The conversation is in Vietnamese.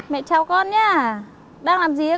mẹ chào mẹ nhé đang làm gì đấy con